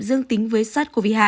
dương tính với sars cov hai